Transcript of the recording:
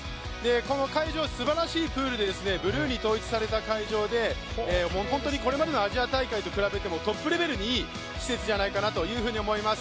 この会場、すばらしいプールでブルーに統一された会場で本当にこれまでのアジア大会と比べてもトップレベルにいい施設じゃないかなと思います。